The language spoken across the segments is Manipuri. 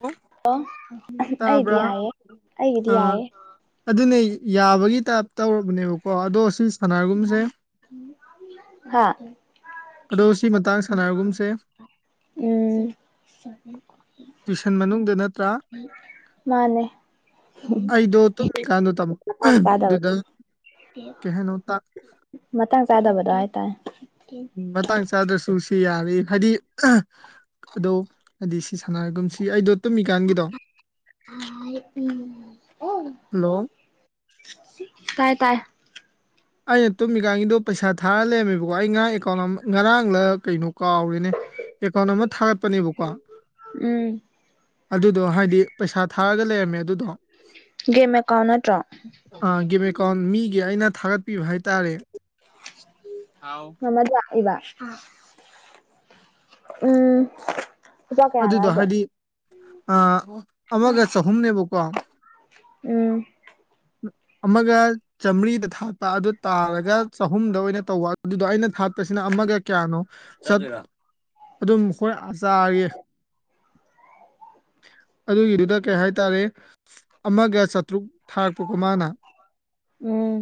ꯑꯣ ꯂꯣ ꯑꯩꯗꯤ ꯇꯥꯕ꯭ꯔꯥ ꯌꯥꯏꯌꯦ ꯑꯩꯒꯤꯗꯤ ꯑꯥ ꯌꯥꯏꯌꯦ ꯑꯗꯨꯅꯦ ꯌꯥꯕꯒꯤ ꯇꯥꯏꯞ ꯇꯧꯔꯕꯅꯦꯕꯀꯣ ꯑꯗꯣ ꯁꯤ ꯁꯅꯥꯔꯒꯨꯝꯁꯦ ꯍꯥ ꯑꯗꯣ ꯁꯤ ꯃꯇꯥꯡ ꯁꯥꯟꯅꯔꯒꯨꯝꯁꯦ ꯎꯝ ꯇꯨꯏꯁꯟ ꯃꯅꯨꯡꯗ ꯅꯠꯇ꯭ꯔꯥ ꯃꯥꯅꯦ ꯑꯩꯗꯣ ꯇꯨꯝꯃꯤꯀꯥꯟꯗꯣ ꯇꯝ ꯃꯇꯥꯡ ꯆꯥꯗꯕ ꯗꯨꯗ ꯀꯩ ꯍꯥꯏꯅꯣ ꯇꯥ ꯃꯇꯥꯡ ꯆꯥꯗꯕꯗꯣ ꯍꯥꯏ ꯇꯥꯏ ꯎꯝ ꯃꯇꯥꯡ ꯆꯥꯗ꯭ꯔꯁꯨ ꯁꯤ ꯌꯥꯔꯤ ꯍꯥꯏꯗꯤ ꯑꯗꯣ ꯑꯥꯗꯤ ꯁꯤ ꯁꯥꯟꯅꯔꯒꯨꯝꯁꯤ ꯑꯩꯗꯣ ꯇꯨꯝꯃꯤꯀꯥꯟꯒꯤꯗꯣ ꯍꯜꯂꯣ ꯇꯥꯏ ꯇꯥꯏ ꯑꯩꯅ ꯇꯨꯝꯃꯤꯀꯥꯟꯒꯤꯗꯣ ꯄꯩꯁꯥ ꯊꯥꯔ ꯂꯩꯔꯝꯃꯦꯕꯀꯣ ꯑꯩ ꯉꯔꯥꯡ ꯑꯦꯀꯥꯎꯟ ꯑꯃ ꯉꯔꯥꯡꯂ ꯀꯩꯅꯣ ꯀꯥꯎꯔꯦꯅꯦ ꯑꯦꯀꯥꯎꯟ ꯑꯃ ꯊꯥꯔꯛꯄꯅꯦꯕꯀꯣ ꯎꯝ ꯑꯗꯨꯗꯣ ꯍꯥꯏꯗꯤ ꯄꯩꯁꯥ ꯊꯥꯔꯒ ꯂꯩꯔꯝꯃꯦ ꯑꯗꯨꯗꯣ ꯒꯦꯝ ꯑꯦꯀꯥꯎꯟ ꯅꯠꯇ꯭ꯔꯣ ꯑꯥ ꯒꯦꯝ ꯑꯦꯀꯥꯎꯟ ꯃꯤꯒꯤ ꯑꯩꯅ ꯊꯥꯒꯠꯄꯤꯕ ꯍꯥꯏꯇꯥꯔꯦ ꯑꯥꯎ [unintelligible] ꯎꯝ ꯂꯨꯄꯥ ꯀꯌꯥꯅꯣ ꯑꯗꯨꯗꯣ ꯍꯥꯏꯁꯦ ꯍꯥꯏꯗꯤ ꯑꯥ ꯑꯃꯒ ꯆꯍꯨꯝꯅꯦꯕꯀꯣ ꯎꯝ ꯑꯃꯒ ꯆꯥꯝꯔꯤꯗ ꯊꯥꯠꯄ ꯑꯗꯨ ꯇꯥꯜꯂꯒ ꯆꯍꯨꯝꯗ ꯑꯣꯏꯅ ꯇꯧꯕ ꯑꯗꯨꯗꯣ ꯑꯩꯅ ꯊꯥꯠꯄꯁꯤꯅ ꯑꯃꯥꯒ ꯀꯌꯥꯅꯣ ꯆꯠ ꯑꯗꯨꯝ ꯍꯣꯏ ꯑꯆꯥꯒꯦ ꯑꯗꯨꯒꯤꯗꯨꯗ ꯀꯩ ꯍꯥꯏꯇꯥꯔꯦ ꯑꯃꯥꯒ ꯆꯥꯇ꯭ꯔꯨꯛ ꯊꯥꯔꯛꯄꯀꯣ ꯃꯥꯅ ꯎꯝ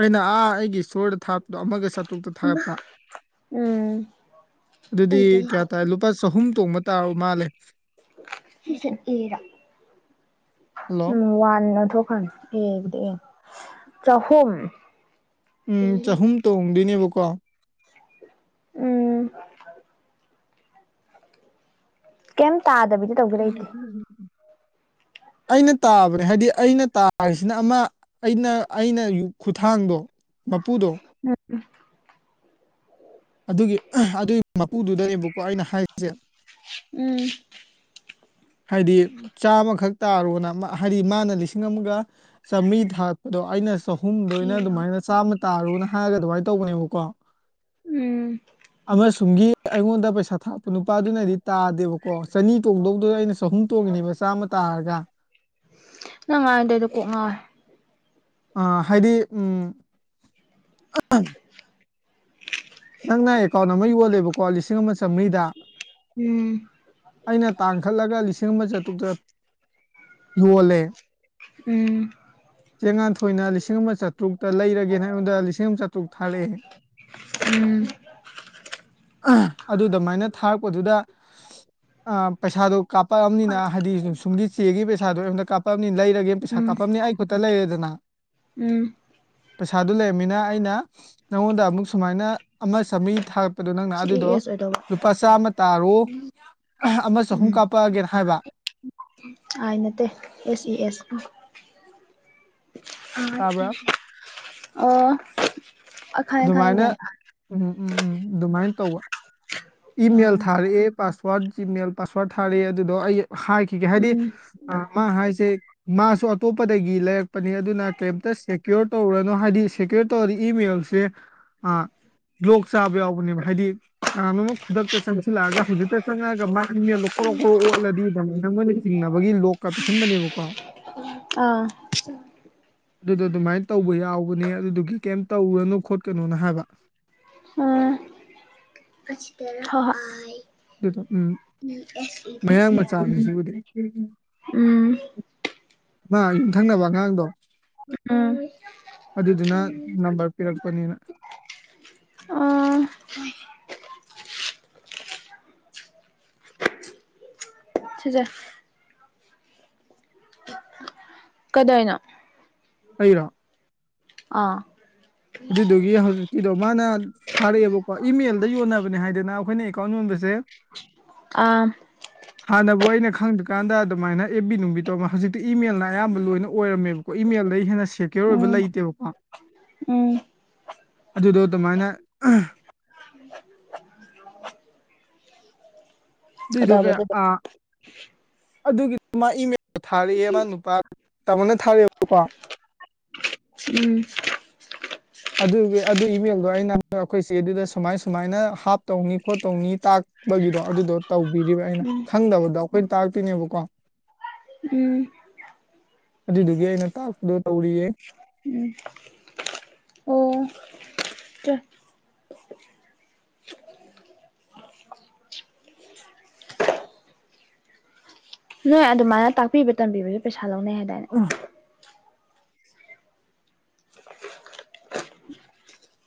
ꯑꯩꯅ ꯑꯥ ꯑꯩꯒꯤ ꯏꯇ꯭ꯣꯔꯗ ꯊꯥꯠꯄꯗꯣ ꯑꯃꯤꯒ ꯆꯠ ꯇꯨꯛꯇ ꯊꯥꯒꯠꯄ ꯎꯝ ꯑꯗꯨꯗꯤ ꯀꯌꯥ ꯇꯥꯔꯦ ꯂꯨꯄꯥ ꯆꯍꯨꯝ ꯇꯣꯡꯕ ꯇꯥꯎ ꯃꯥꯂꯦ ꯁꯤꯁꯦ ꯑꯦꯔꯥ ꯍꯜꯂꯣ ꯎꯝ ꯋꯥꯟ ꯑꯣꯟꯊꯣꯛꯈ꯭ꯔꯃꯦ [unintelligible] ꯆꯍꯨꯝ ꯎꯝ ꯆꯍꯨꯝ ꯇꯣꯡꯗꯣꯏꯅꯦꯕꯀꯣ ꯎꯝ ꯀꯩꯝ ꯇꯥꯗꯕꯤꯗ ꯇꯧꯒꯦ ꯂꯩꯇꯦ ꯑꯩꯅ ꯇꯥꯕꯅꯦ ꯍꯥꯏꯗꯤ ꯑꯩꯅ ꯇꯥꯔꯤꯁꯤꯅ ꯑꯃꯥ ꯑꯩꯅ ꯑꯩꯅ ꯌꯨ ꯈꯨꯊꯥꯡꯗꯣ ꯃꯄꯨꯗꯣ ꯎꯝ ꯑꯗꯨꯒꯤ ꯑꯗꯨꯒꯤ ꯃꯄꯨꯗꯨꯗꯅꯦꯕꯀꯣ ꯑꯩꯅ ꯍꯥꯏꯁꯦ ꯎꯝ ꯍꯥꯏꯗꯤ ꯆꯥꯝꯃꯈꯛ ꯇꯥꯔꯣꯅ ꯍꯥꯏꯗꯤ ꯃꯥꯅ ꯂꯤꯁꯤꯡ ꯑꯃꯒ ꯆꯥꯝꯃꯔꯤ ꯊꯥꯔꯛꯄꯗꯣ ꯑꯩꯅ ꯆꯍꯨꯝꯗ ꯑꯣꯏꯅ ꯑꯗꯨꯃꯥꯏꯅ ꯆꯥꯝꯃ ꯇꯥꯔꯨꯅ ꯍꯥꯏꯔꯒ ꯑꯗꯨꯃꯥꯏꯅ ꯇꯧꯕꯅꯦꯕꯀꯣ꯫ ꯎꯝ ꯑꯃꯁ ꯇꯨꯡꯒꯤ ꯑꯩꯉꯣꯟꯗ ꯄꯩꯁꯥ ꯊꯥꯛꯄ ꯅꯨꯄꯥꯗꯨꯅꯗꯤ ꯇꯥꯗꯦꯕꯀꯣ ꯆꯅꯤ ꯇꯣꯡꯗꯧꯗꯗ ꯑꯩꯅ ꯆꯍꯨꯝ ꯇꯣꯡꯉꯤꯅꯦꯕ ꯆꯥꯝꯃ ꯇꯥꯔꯒ꯫ ꯅꯪ ꯉꯥꯡꯏꯗꯣ ꯑꯩꯗꯣ ꯀꯣꯛ ꯉꯥꯎꯋꯦ꯫ ꯑ ꯍꯥꯏꯗꯤ ꯎꯝ ꯅꯪꯅ ꯑꯦꯀꯥꯎꯟ ꯑꯃ ꯌꯣꯜꯂꯦꯕꯀꯣ ꯂꯤꯁꯤꯡ ꯑꯃ ꯆꯥꯝꯃꯔꯤꯗꯥ꯫ ꯎꯝ꯫ ꯑꯩꯅ ꯇꯥꯡꯈꯠꯂꯒ ꯂꯤꯁꯤꯡ ꯑꯃ ꯆꯥꯇ꯭ꯔꯨꯛꯇ ꯌꯣꯜꯂꯦ꯫ ꯎꯝ꯫ ꯆꯦ ꯉꯥꯟꯊꯣꯏꯅ ꯂꯤꯁꯤꯡ ꯑꯃ ꯆꯥꯇ꯭ꯔꯨꯛꯇ ꯂꯩꯔꯒꯦꯅ ꯑꯩꯉꯣꯟꯗ ꯂꯤꯁꯤꯡ ꯑꯃ ꯆꯥꯇ꯭ꯔꯨꯛ ꯊꯥꯔꯛꯑꯦ꯫ ꯎꯝ꯫ ꯑ ꯑꯗꯨꯗꯃꯥꯏꯅ ꯊꯥꯔꯛꯄꯗꯨꯗ ꯑ ꯄꯩꯁꯥꯗꯣ ꯀꯥꯞꯄꯛꯑꯕꯅꯤꯅ ꯍꯥꯏꯗꯤ [unintelligible] ꯁꯨꯝꯒꯤ ꯆꯦꯒꯤ ꯄꯩꯁꯥꯗꯣ ꯑꯉꯣꯟꯇ ꯀꯥꯞꯄꯝꯅꯤ ꯂꯩꯔꯒꯦ ꯄꯩꯁꯥ ꯎꯝ ꯀꯥꯞꯄꯕꯅꯤ ꯑꯩ ꯈꯨꯠꯇ ꯂꯩꯔꯦꯗꯅ꯫ ꯎꯝ꯫ ꯄꯩꯁꯥꯗꯨ ꯂꯩꯔꯃꯤꯅ ꯑꯩꯅ ꯅꯪꯉꯣꯟꯗ ꯑꯃꯨꯛ ꯁꯨꯃꯥꯏꯅ ꯑꯃ ꯆꯥꯝꯃꯔꯤ ꯊꯥ ꯄꯗꫭ ꯅꯪꯅ ꯁꯤ ꯏ ꯑꯗꯨꯗꯣ ꯑꯦꯁ ꯑꯣꯏꯗꯧꯕ ꯂꯨꯄꯥ ꯆꯥꯝꯃ ꯇꯥꯔꯣ ꯑꯃ ꯆꯍꯨꯝ ꯎꯝ ꯀꯥꯞꯄꯛꯑꯒꯦꯅ ꯍꯥꯏꯕ꯫ ꯑꯥꯏ ꯅꯠꯇꯦ ꯑꯦꯁ ꯏ ꯑꯦꯁ꯫ [inaudible] ꯇꯥꯕ꯭ꯔꯥ [inaudible] ꯑꯣ꯫ ꯑ ꯈꯪꯉꯦ ꯈꯪꯉꯦ ꯑꯗꯨꯃꯥꯏꯅ ꯒ꯭ꯌꯥꯟ ꯇꯥꯔꯦ ꯎꯝ ꯎꯝ ꯎꯝ ꯑꯗꯨꯃꯥꯏꯅ ꯇꯧꯕ꯫ ꯏꯃꯦꯜ ꯎꯝ ꯊꯥꯔꯛꯑꯦ ꯄꯥꯁꯋꯥꯔꯗ ꯖꯤꯃꯦꯜ ꯄꯥꯁꯋꯥꯗ ꯊꯥꯔꯛꯑꯦ ꯑꯗꯨꯗꯣ ꯑꯩ ꯍꯥꯏꯈꯤꯒꯦ ꯍꯥꯏꯗꯤ ꯑ ꯃꯥ ꯍꯥꯏꯁꯦ ꯃꯥꯁꯨ ꯑꯇꯣꯞꯄꯗꯒꯤ ꯂꯩꯔꯛ ꯄꯅꯤꯅ ꯑꯗꯨꯅ ꯀꯔꯤꯝꯇ ꯁꯦ ꯀ꯭ꯌꯣꯔ ꯇꯧꯔꯅꯨ ꯍꯥꯏꯗꯤ ꯁꯦꯀ꯭ꯌꯣꯔ ꯇꯧꯔꯗꯤ ꯏꯃꯦꯜꯁꯦ ꯑ ꯕ꯭ꯂꯣꯛ ꯆꯥꯕ ꯌꯥꯎꯕꯅꯦꯕ꯫ ꯍꯥꯏꯗꯤ ꯀꯥꯟꯅꯣꯝ ꯈꯨꯗꯛꯇ ꯆꯪꯁꯤꯜꯂꯛꯑꯒ ꯍꯧꯖꯤꯛꯇ ꯆꯪꯉꯛꯑꯒ ꯃꯥ ꯏꯃꯦꯜꯗꫭ ꯀꯣꯔꯣꯛ-ꯀꯣꯔꯣꯛ ꯑꯣꯠꯂꯗꯤ ꯑꯗꯨꯃꯥꯏꯅ ꯃꯣꯏꯅ ꯆꯤꯡꯅꯕꯒꯤ ꯂꯣꯛ ꯀꯥ ꯄꯤꯁꯤꯟꯕꯅꯦꯕꯀꯣ꯫ ꯑꯥ꯫ ꯑꯗꯨꯗꯣ ꯑꯗꯨꯃꯥꯏꯅ ꯇꯧꯕ ꯌꯥꯎꯕꯅꯦ ꯑꯗꯨꯗꯨꯒꯤ ꯀꯩꯝ ꯇꯧꯔꯅꯨ ꯈꯣꯠꯀꯅꯨꯅ ꯍꯥꯏꯕ꯫ ꯑ ꯍꫭ ꯍꫭꯏ꯫ ꯑꯗꯨꯗ ꯎꯝ ꯃꯌꯥꯡ ꯃꯆꯥꯅꯤ ꯑꯁꯤꯕꯨꯗꯤ꯫ ꯎꯝ ꯃꯥ ꯌꯨꯝꯊꯪꯅꯕ ꯑꯉꯥꯡꯗꯣ꯫ ꯎꯝ ꯑꯗꯨꯗꯨꯅ ꯅꯝꯕꯔ ꯄꯤꯔꯛꯄꯅꯤꯅ꯫ ꯑꫭ꯫ ꯁꯤꯖꯦ꯫ ꯀꯩꯗꯧꯏꯅꯣ꯫ ꯑꯩꯔꯣ꯫ ꯑꯥ꯫ ꯑꯗꯨꯗꯨꯒꯤ ꯍꯧꯖꯦ ꯀꯤꯗꯣ ꯃꯥꯅ ꯊꯥꯔꯛꯑꯦꯕꯀꯣ ꯏꯃꯦꯜꯗ ꯌꯣꯟꯅꯕꯅꯦ ꯍꯥꯏꯗꯅ ꯑꯩꯈꯣꯏꯅ ꯑꯦꯀꯥꯎꯟ ꯌꯣꯟꯕꯁꯦ꯫ ꯑꯥ꯫ ꯍꯥꯟꯅꯕꯨ ꯑꯩꯅ ꯈꯪꯗ꯭ꯔꯤꯀꯥꯟꯗ ꯑꯗꯨꯃꯥꯏꯅ ꯑꯦꯞ ꯕꯤ ꯅꯨꯡꯕꯤ ꯇꯧ ꯍꯧꯖꯤꯛꯇꯤ ꯏꯃꯦꯜꯅ ꯑꯌꯥꯝꯕ ꯂꯣꯏꯅ ꯑꯣꯏꯔꯝꯃꯦꯕ꯫ ꯀꯣ ꯏꯃꯦꯜꯗꯩ ꯍꯦꯟꯅ ꯁꯦꯀ꯭ꯌꯣꯔ ꯑꯣꯏꯕ ꯎꯝ ꯂꯩꯇꯦꯕꯀꯣ꯫ ꯎꯝ ꯑꯗꯨꯗꯣ ꯑꯗꯨꯃꯥꯏꯅ [inaudible] ꯑꯗꯨꯏꯗꯣ ꯀꯩꯗꯧꯔꯕ ꯀꯌꯥ ꯑꯗꯨꯗꯣ ꯑꯥ ꯑꯗꯨꯒꯤ ꯃꯥ ꯏꯃꯦꯜꯗꯣ ꯊꯥꯔꯛꯑꯦ ꯃꯥ ꯅꯨꯄꯥ ꯇꯥꯃꯣꯅ ꯊꯥꯔꯦꯕꯀꯣ ꯎꯝ ꯑꯗꯨꯒꯤ ꯑꯗꯨ ꯏꯃꯦꯜꯗꯣ ꯑꯩꯅ ꯍꯟꯗꯛ ꯑꯩꯈꯣꯏ ꯆꯦ ꯑꯗꯨꯗ ꯁꯨꯃꯥꯏ ꯁꯨꯃꯥꯏꯅ ꯍꯥꯞ ꯇꯧꯅꯤ ꯈꯣꯠ ꯇꯧꯅꯤ ꯇꯥꯛ ꯕꯒꯤꯗꯣ ꯑꯗꯨꯗꯣ ꯇꯧꯕꯤꯔꯤꯕ ꯑꯩꯅ ꯈꯪꯗꯕꯗꯣ ꯑꯩꯈꯣꯏꯅ ꯇꯥꯛꯇꯣꯏꯅꯦꯕꯀꯣ ꯎꯝ ꯑꯗꯨꯗꯨꯒꯤ ꯑꯩꯅ ꯇꯥꯛꯄꯗꯣ ꯇꯧꯔꯤꯌꯦ ꯎꯝ ꯑꯣ ꯀ [unintelligible] ꯅꯣꯏ ꯑꯗꯨꯃꯥꯏꯅ ꯇꯥꯛꯄꯤꯕ ꯇꯝꯕꯤꯕꯁꯨ ꯄꯩꯁꯥ ꯂꯧꯅꯩ ꯍꯥꯏꯗꯥꯢꯅꯦ ꯑ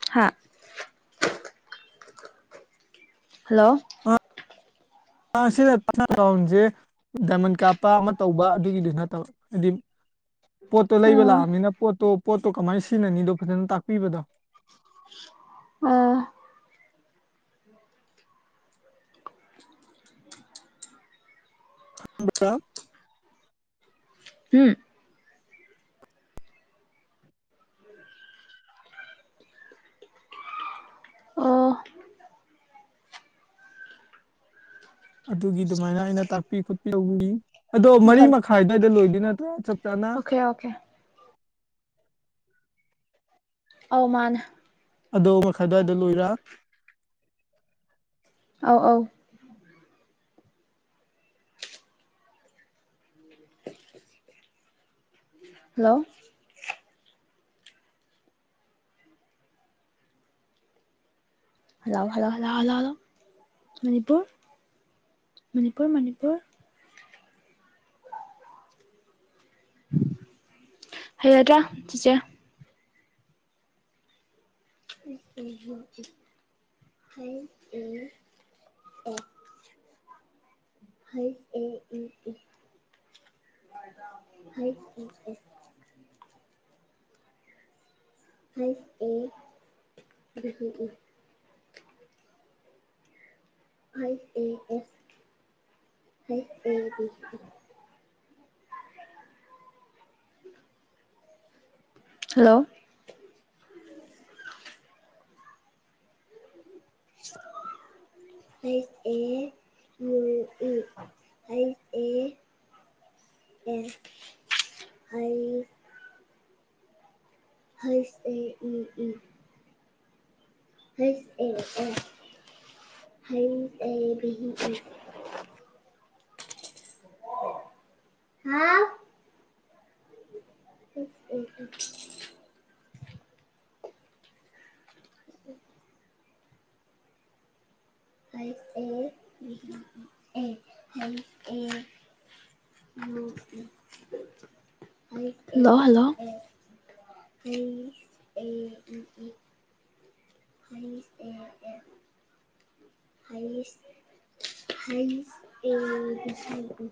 ꯍꯥ ꯍꯜꯂꯣ ꯑꯁꯤ ꯄꯊꯅꯥ [unintelligible] ꯗꯥꯏꯃꯟ ꯀꯥꯞꯄ ꯑꯃ ꯇꯧꯕ ꯑꯗꯨꯒꯤꯗꯤ ꯅꯠꯇꯕ ꯍꯥꯏꯗꯤ ꯄꯣꯠꯇꯣ ꯂꯩꯕ ꯑꯣ ꯂꯥꯛꯑꯝꯅꯤꯅ ꯄꯣꯠꯇꯣ ꯄꯣꯠꯇꯣ ꯀꯃꯥꯏꯅ ꯁꯤꯟꯅꯅꯤꯗꯣ ꯐꯖꯅ ꯇꯥꯛꯄꯤꯕꯗꯣ ꯑꯣ [unintelligible] ꯎꯝ ꯑꯣ ꯑꯗꯨꯒꯤ ꯗꯨꯃꯥꯏꯅ ꯑꯩꯅ ꯇꯥꯛꯄꯤ ꯈꯣꯠꯄꯤ ꯇꯧꯕꯤ ꯑꯗꯣ ꯃꯔꯤ ꯃꯨꯊꯠꯂꯣ ꯃꯈꯥꯏ ꯑꯗꯥꯢꯗ ꯂꯣꯏꯗꯣꯏ ꯅꯠꯇ꯭ꯔꯣ ꯆꯞ ꯆꯥꯅ ꯑꯣꯀꯦ ꯑꯣꯀꯦ ꯑꯧ ꯃꯥꯟꯅꯦ ꯑꯗꯣ ꯃꯈꯥꯏ ꯑꯗꯨꯋꯥꯏꯗ ꯂꯣꯏꯔꯥ ꯑꯧ ꯑꯧ hello hello hello ꯍꯜꯂꯍꯜꯂꯣ hello Manipur Manipur Manipur ꯍꯩꯔꯗ꯭ꯔꯥ ꯆꯤꯆꯦ ꯎ ꯎꯝ ꯎ [unintelligible] ꯍꯩ ꯎꯝ ꯑꯦ ꯍꯩꯆ ꯑꯦ ꯢ ꯢ ꯍꯩꯆ ꯢ ꯑꯦ ꯍꯩꯆ ꯑꯦ ꯚꯤꯍꯤ ꯢ ꯍꯩꯁ ꯑꯦ ꯑꯦꯁ ꯍꯩꯁ ꯑꯦ ꯢ ꯢ [inaudible] ꯍꯜꯂꯣ [inaudible] ꯍꯩꯁ ꯑꯦ ꯏꯌꯨ ꯏ ꯍꯩꯁ ꯑꯦ ꯑꯦ ꯑꯩ [unintelligible] ꯍꯩꯁ ꯑꯦ ꯏ ꯏ ꯍꯁ ꯑꯦ ꯑꯦꯁ ꯍꯩꯁ ꯑꯦ ꯚꯤꯍꯤ ꯢ ꯍꯥꯎ [unintelligible] ꯎ ꯍꯩꯁ ꯑꯦ ꯚꯤꯍꯤ ꯢ ꯑꯦ ꯍꯩꯁ ꯑꯦ ꯍꯜꯂꯣ ꯍꯜꯂꯣ ꯑꯩ ꯑꯩ [unintelligible] ꯍꯩꯁ ꯍꯩꯁ ꯑꯦ ꯕꯤ ꯁꯤ ꯗꯤ